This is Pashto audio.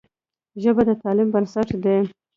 ژبه د تعلیم بنسټ دی.